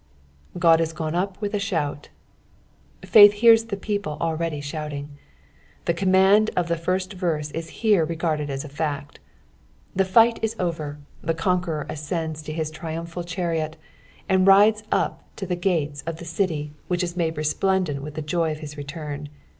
5. " OodUgonevpinithatlumt." Faith hears the people alreodr shouting. The command of the first verse is here regarded «S a fact. The light is over, the conqueror ascends to his triumphal chanot, SDd rides up to the gates of the city which is made resplendent witJi the joy of his return.